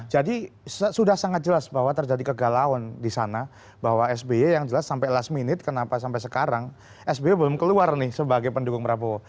jadi sudah sangat jelas bahwa terjadi kegalaun disana bahwa sby yang jelas sampai last minute kenapa sampai sekarang sby belum keluar nih sebagai pendukung prabowo